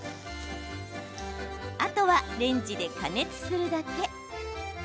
あとはレンジで加熱するだけ。